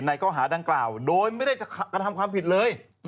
ข้อหาดังกล่าวโดยไม่ได้กระทำความผิดเลย